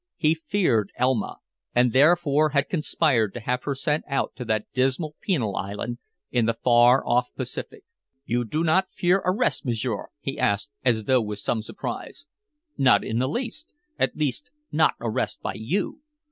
He feared Elma, and therefore had conspired to have her sent out to that dismal penal island in the far off Pacific. "You do not fear arrest, m'sieur?" he asked, as though with some surprise. "Not in the least at least, not arrest by you.